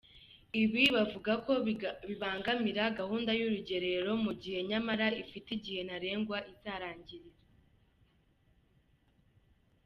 Ibi bavuga ko bibangamira gahunda y’urugerero, mu gihe nyamara ifite igihe ntarengwa izarangirira.